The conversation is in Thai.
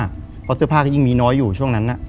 เพราะเสื้อผ้าก็ยิ่งมีน้อยอยู่ช่วงนั้น